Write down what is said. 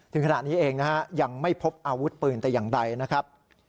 ถึงขนาดนี้เองยังไม่พบอาวุธปืนตัวอย่างใดนะครับ